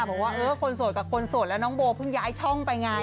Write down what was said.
บอกว่าเออคนโสดกับคนโสดแล้วน้องโบเพิ่งย้ายช่องไปไง